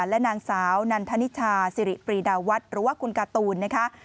และนางสาวนันทนิชาสิริปรีดาวัฒน์หรือว่าคุณการ์ตูนนะคะ